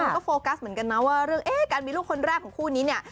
ก็โฟกัสเหมือนกันนะว่าเรื่องเอ๊ะการมีลูกคนแรกของคู่นี้เนี่ย